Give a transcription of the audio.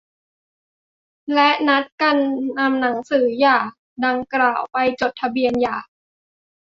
และนัดกันนำหนังสือหย่าดังกล่าวไปจดทะเบียนหย่า